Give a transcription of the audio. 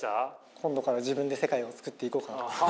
今度から自分で世界をつくっていこうかな。